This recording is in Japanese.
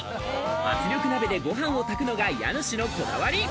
圧力鍋でご飯を炊くのが家主のこだわり。